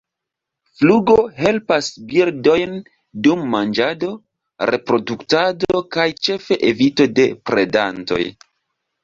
Flugo helpas birdojn dum manĝado, reproduktado kaj ĉefe evito de predantoj.